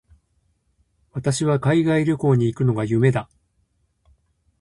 私は海外旅行に行くのが夢だ。